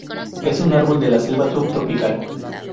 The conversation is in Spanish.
Es un árbol de la selva subtropical.